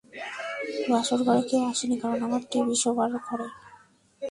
বসার ঘরে কেউ আসে নি, কারণ আমার টিভি শোবার ঘরে!